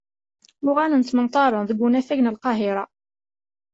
Uɣalen ttmenṭaren deg unafag n Lqahira.